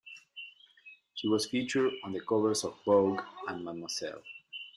She was featured on the covers of "Vogue" and "Mademoiselle".